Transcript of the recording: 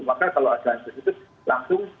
maka kalau ada positif langsung